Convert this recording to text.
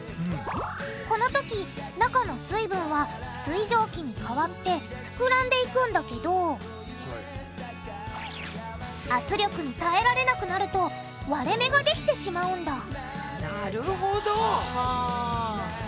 このとき中の水分は水蒸気に変わって膨らんでいくんだけど圧力に耐えられなくなると割れ目ができてしまうんだなるほど！ははぁ。